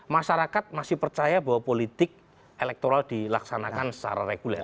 masyarakat masih percaya bahwa politik elektoral dilaksanakan secara reguler